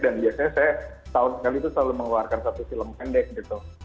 dan biasanya saya setahun sekali itu selalu mengeluarkan satu film pendek gitu